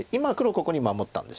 ここに守ったんです。